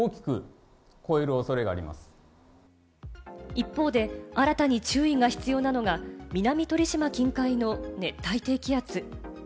一方で、新たに注意が必要なのが、南鳥島近海の熱帯低気圧。